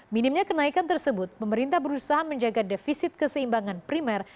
minimnya kenaikan tersebut pemerintah berusaha menjaga defisit keseimbangan primer